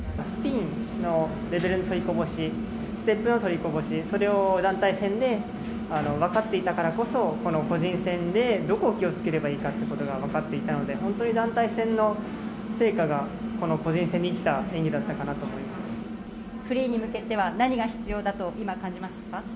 スピンのレベルの取りこぼし、ステップの取りこぼし、それを団体戦で分かっていたからこそ、この個人戦でどこを気をつければいいかっていうことが分かっていたので、本当に団体戦の成果がこの個人戦に生きた演技だったかなと思いまフリーに向けては何が必要だと、今感じましたか？